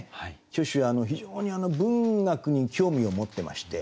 虚子は非常に文学に興味を持ってまして。